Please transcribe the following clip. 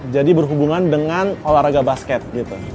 jadi berhubungan dengan olahraga basket gitu